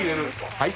はい。